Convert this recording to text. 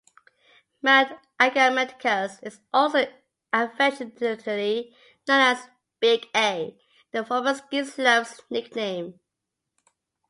Mount Agamenticus is also affectionately known as "Big A," the former ski slope's nickname.